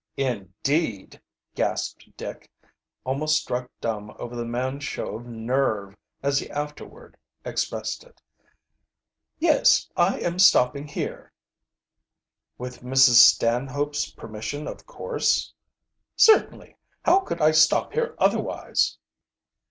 "Indeed!" gasped Dick, almost struck dumb over the man's show of "nerve," as he afterward expressed it. "Yes, I am stopping here." "With Mrs. Stanhope's permission of course." "Certainly. How could I stop here otherwise?"